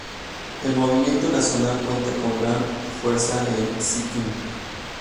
El movimiento nacional cuenta con gran fuerza en Sikkim.